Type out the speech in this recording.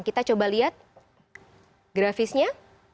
kita coba lihat grafisnya